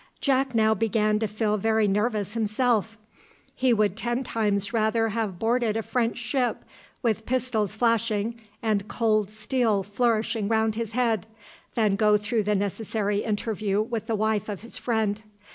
Jack now began to feel very nervous himself. He would ten times rather have boarded a French ship, with pistols flashing and cold steel flourishing round his head, than go through the necessary interview with the wife of his friend.